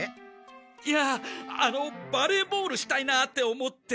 いやあのバレーボールしたいなって思って。